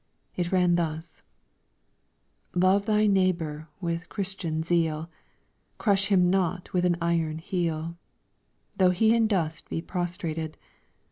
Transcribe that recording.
It ran thus: "Love thy neighbor with Christian zeal! Crush him not with an iron heel, Though he in dust be prostrated!